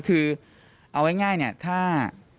คือเอาง่ายเนี่ยถ้า